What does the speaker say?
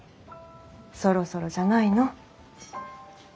そろそろじゃないの？